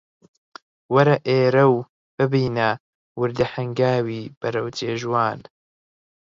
وەرە ئێرە و ببینە وردە هەنگاوی بەرەو جێژوان